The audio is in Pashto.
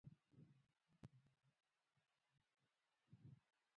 افغانستان د دریابونه له امله شهرت لري.